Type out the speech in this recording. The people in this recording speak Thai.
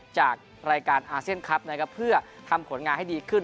จากรายการอาเซียนคลับนะครับเพื่อทำผลงานให้ดีขึ้น